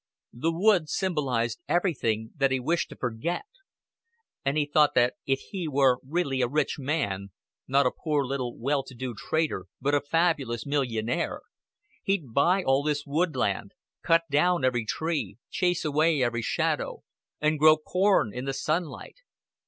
The wood symbolized everything that he wished to forget. And he thought that if he were really a rich man not a poor little well to do trader, but a fabulous millionaire he'd buy all this woodland, cut down every tree, chase away every shadow, and grow corn in the sunlight.